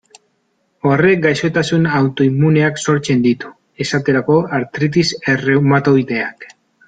Horrek gaixotasun autoimmuneak sortzen ditu, esterako artritis erreumatoideak.